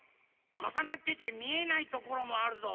かさなっててみえないところもあるぞ。